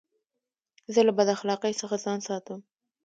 زه له بداخلاقۍ څخه ځان ساتم.